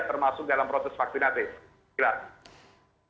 termasuk dalam proses vaksinatif